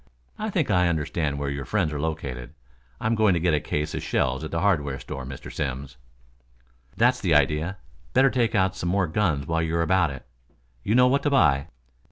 I think I understand where your friends are located. I'm going to get a case of shells at the hardware store, Mr. Simms." "That's the idea. Better take out some more guns while you are about it. You know what to buy."